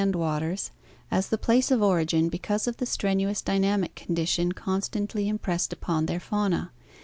ORIGIN OF VERTEBRATES 463 waters as the place of origin because of the strenuous dynamic condition constantly impressed upon their fauna.